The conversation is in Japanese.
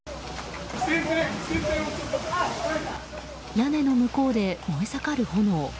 屋根の向こうで燃え盛る炎。